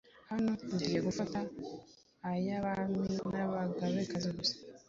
Hano tugiye gufata ay'Abami n'Abagabekazi gusa,